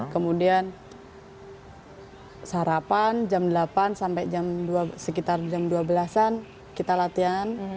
kemudian sarapan jam delapan sampai jam dua sekitar jam dua belas an kita latihan